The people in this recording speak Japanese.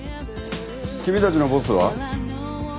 君たちのボスは？